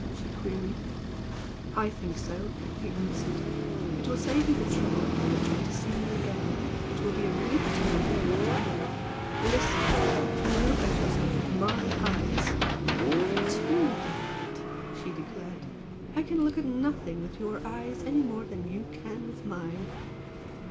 she queried. "I think so," he answered "It will save you the trouble of ever trying to see me again, which will be a relief to me, if not to you. Listen! and look at yourself with MY eyes " "Too difficult!" she declared "I can look at nothing with your eyes any more than you can with mine!"